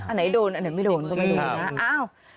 อันไหนโดนอันไหนไม่โดนก็ไม่รู้นะ